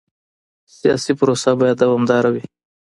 سیاسي پروسه باید دوامداره وي